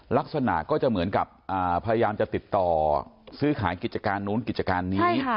ลักษณะก็จะเหมือนกับพยายามจะติดต่อซื้อขายกิจการนู้นกิจการนี้